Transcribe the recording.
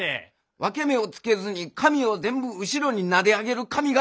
分け目をつけずに髪を全部後ろになで上げる髪形。